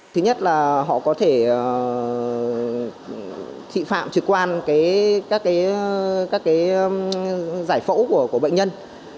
thứ nhất là họ có thể thị phạm trực quan các giải phẫu của bệnh nhân